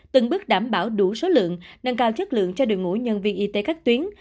từng bước đảm bảo đủ số lượng nâng cao chất lượng cho đội ngũ nhân viên y tế các tuyến